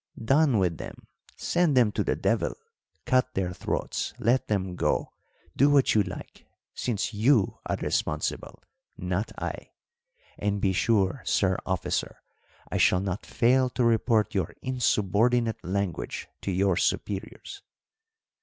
"Done with them! Send them to the devil! cut their throats; let them go; do what you like, since you are responsible, not I. And be sure, sir officer, I shall not fail to report your insubordinate language to your superiors."